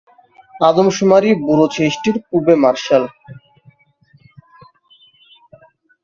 আদমশুমারি ব্যুরো সৃষ্টির পূর্বে মার্শাল.